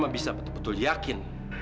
bisa betul betul yakin